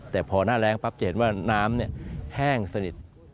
แต่พอหน้าแรงปั๊บจะเห็นว่าน้ำแห้งสนิท